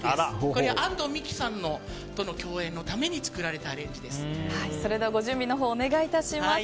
これは安藤美姫さんとの共演のために作られたアレンジです。